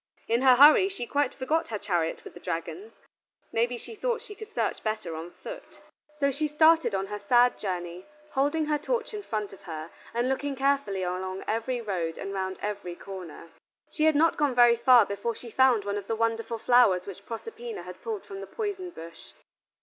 In her hurry she quite forgot her chariot with the dragons; may be she thought she could search better on foot. So she started on her sad journey, holding her torch in front of her, and looking carefully along every road and round every corner. She had not gone very far before she found one of the wonderful flowers which Proserpina had pulled from the poison bush.